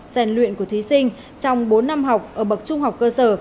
rèn luyện của thí sinh trong bốn năm học ở bậc trung học cơ sở